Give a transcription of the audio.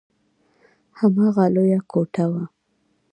هماغه لويه کوټه وه.